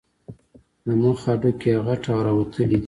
د مخ هډوکي یې غټ او راوتلي دي.